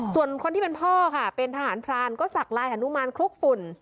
ส่วนคนที่เป็นพ่อค่ะเป็นทหารพรานก็สักลายฮานุมานคลุกฝุ่น